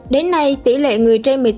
đến nay tỷ lệ người trên